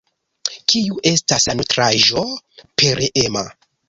Kiu estas la nutraĵo pereema?